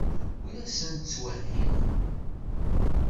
Ur asent-ttwehhiɣ.